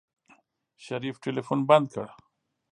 شريف ټلفون بند کړ.